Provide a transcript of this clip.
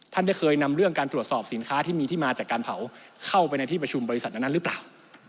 ท่านได้เคยนำเรื่องการตรวจสอบสินค้าที่มีที่มาจากการเผาเข้าไปในที่ประชุมบริษัทนั้นหรือเปล่า